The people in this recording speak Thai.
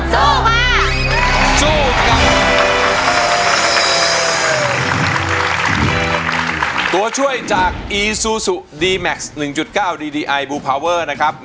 สู้ค่ะสู้กับตัวช่วยจากอีซูซูดีแม็กซ์หนึ่งจุดเก้าดีดีไอบูพาเวอร์นะครับ